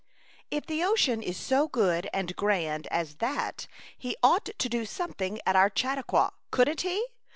'* If the ocean is so good and grand as that he ought to do something at our Chautauqua. Couldn't he?